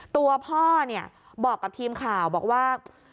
ตัวพ่อเนี่ยบอกกับทีมข่าวบอกว่า